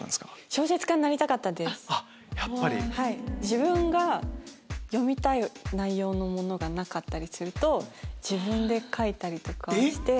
自分が読みたい内容のものがなかったりすると自分で書いたりとかして。